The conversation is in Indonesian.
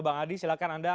bang adi silahkan anda